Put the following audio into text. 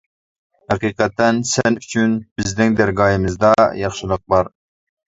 ھەقىقەتەن سەن ئۈچۈن بىزنىڭ دەرگاھىمىزدا ياخشىلىق بار.